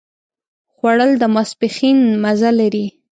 خوړل د ماسپښين مزه لري